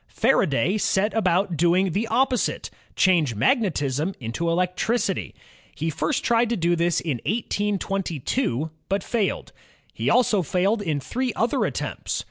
Faraday set about doing the opposite, change magnetism into electricity. He first tried to do this in 1822, but failed. He also failed in three other attempts.